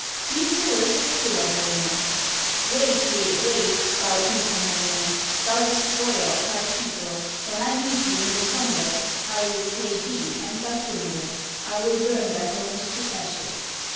These the words of Kullerwoinen: "Wait, yea wait, thou Untamoinen, Thou destroyer of my people; When I meet thee in the combat, I will slay thee and thy kindred, I will burn thy homes to ashes!"